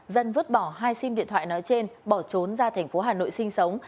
dân vứt bỏ hai sim điện thoại nói trên bỏ trốn ra thành phố hà nội sinh sống